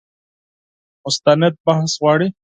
مستند بحث غواړي.